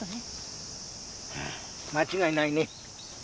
間違いないね。